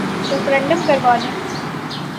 Referendum کروا لیں۔